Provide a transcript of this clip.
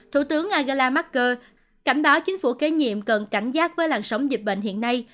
thủ tướng angela marker cảnh báo chính phủ kế nhiệm cần cảnh giác với làn sóng dịch bệnh hiện nay